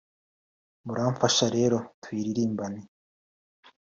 muramfasha rero tuyiririmbane